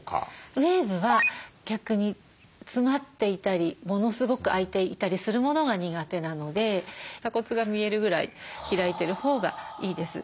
ウエーブは逆に詰まっていたりものすごく開いていたりするものが苦手なので鎖骨が見えるぐらい開いてるほうがいいです。